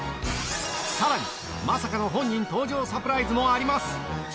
さらに、まさかの本人登場サプライズもあります。